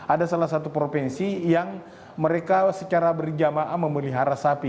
ada salah satu provinsi yang mereka secara berjamaah memelihara sapi